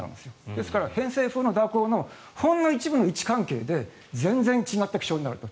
ですから、偏西風の蛇行のほんの一部の位置関係で全然違った気象になると。